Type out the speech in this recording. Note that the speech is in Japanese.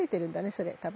それ多分。